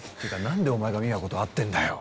んでお前が美和子と会ってんだよ。